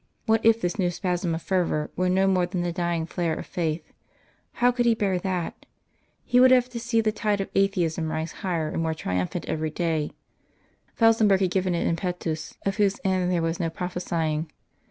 What if this new spasm of fervour were no more than the dying flare of faith? How could he bear that? He would have to see the tide of atheism rise higher and more triumphant every day; Felsenburgh had given it an impetus of whose end there was no prophesying.